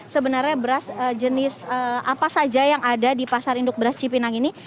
sebenarnya beras jenis apa saja yang ada di pasar induk beras cipinang ini